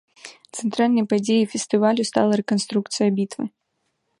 Цэнтральнай падзеяй фестывалю стала рэканструкцыя бітвы.